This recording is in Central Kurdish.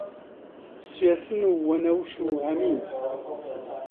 سوێسن و وەنەوش و هەمین